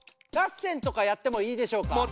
ラッセンとかやってもいいでしょうか。